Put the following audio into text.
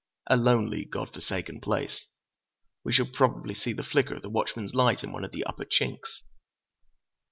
"A lonely, God forsaken place. We shall probably see the flicker of the watchman's light in one of the upper chinks."